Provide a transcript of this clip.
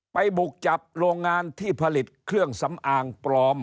บุกจับโรงงานที่ผลิตเครื่องสำอางปลอม